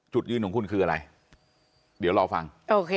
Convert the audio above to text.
จุดยืนของคุณคืออะไรเดี๋ยวรอฟังโอเค